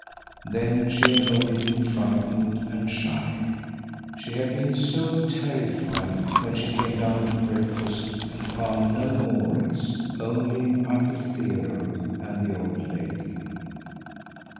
Then she had only been frightened and shy. She had been so terrified when she came down to breakfast and found no Maurits, only Uncle Theodore and the old lady.